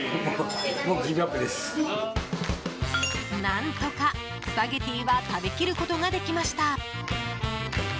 何とかスパゲティは食べきることができました。